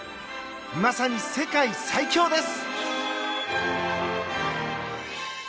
まさに世界最強です！